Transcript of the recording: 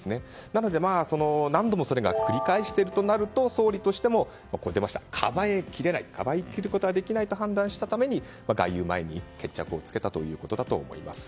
なので、何度もそれが繰り返していたとなると総理としてもかばい切れないと判断したために外遊前に決着をつけたということだと思います。